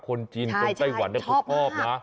คนจีนคนไต้หวันเนี่ยชอบมาก